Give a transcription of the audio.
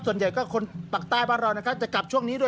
ส่วนใหญ่ก็คนฝั่งปลั๊กใต้บ้านเราจะกลับช่วงนี้ด้วย